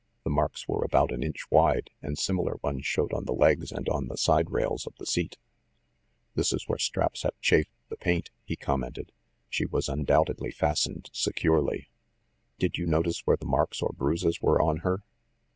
The marks were about an inch wide, and similar ones showed on the legs and on the side rails of the seat. "This is where straps have chafed the paint," he commented. "She was undoubtedly fastened securely. 178 [THE MASTER OF MYSTERIES ^ Did you notice where the marks or bruises were on her?"